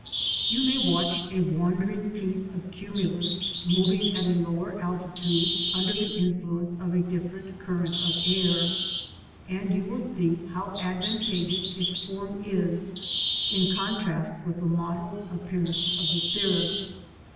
You may watch a wandering piece of cumulus moving at a lower altitude under the influence of a different current of air, and you will see how advantageous its form is in contrast with the mottled appear ance of the cirrus.